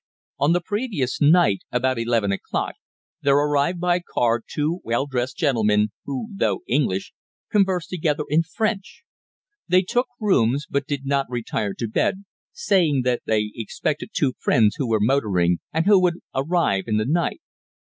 On the previous night, about eleven o'clock, there arrived by car two well dressed gentlemen who, though English, conversed together in French. They took rooms, but did not retire to bed, saying that they expected two friends who were motoring, and who would arrive in the night.